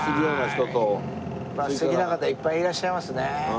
素敵な方いっぱいいらっしゃいますね。